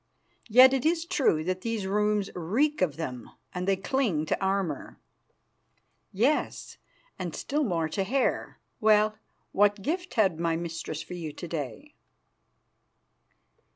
Yet it is true that these rooms reek of them, and they cling to armour." "Yes, and still more to hair. Well, what gift had my mistress for you to day?"